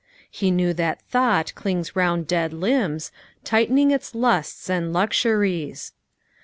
He knew that thought clings round dead limbs Tightening its lusts and luxuries.